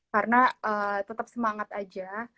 karena tetap semangat aja